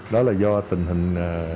đó là do tình hình